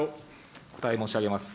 お答え申し上げます。